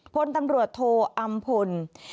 พลตำรวจโทอำพล